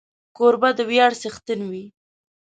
کوربه د ویاړ څښتن وي.